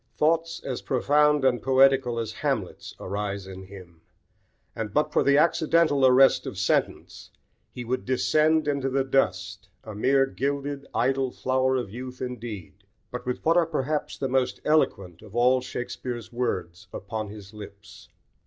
Thoughts as profound and poetical as Hamlet's arise in him; and but for the accidental arrest of sentence he would descend into the dust, a mere gilded, idle flower of youth indeed, but with what are perhaps the most eloquent of all Shakespeare's words upon his lips.